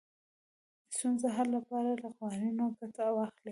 د ستونزو حل لپاره له قوانینو ګټه واخلئ.